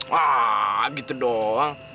wah gitu doang